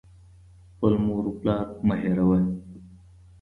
• خپل مور و پلار مه هېروه.